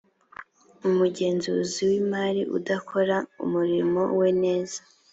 umugenzuzi w imari udakora umurimo we neza